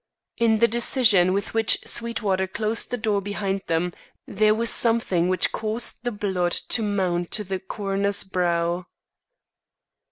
In the decision with which Sweetwater closed the door behind them there was something which caused the blood to mount to the coroner's brow.